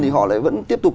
thì họ lại vẫn tiếp tục